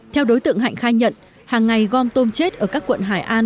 theo đối tượng hạnh khai nhận hàng ngày gom tôm chết ở các quận hải an